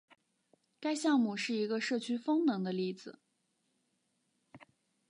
该项目是一个社区风能的例子。